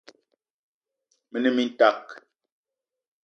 Me ne mintak